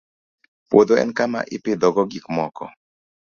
Puodho en kama ipidhogo gik moko